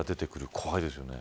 怖いですよね。